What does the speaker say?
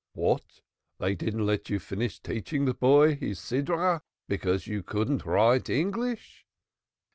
"What! They didn't let you finish teaching the boy his Portion because you couldn't write English?"